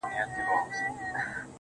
وركه يې كړه_